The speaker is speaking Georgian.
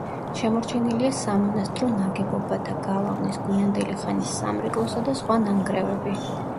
შემორჩენილია სამონასტრო ნაგებობათა, გალავნის, გვიანდელი ხანის სამრეკლოსა და სხვა ნანგრევები.